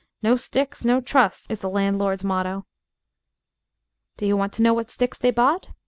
'No sticks, no trust' is the landlord's motto." Do you want to know what sticks they bought?